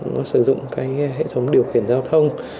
cũng sử dụng cái hệ thống điều khiển giao thông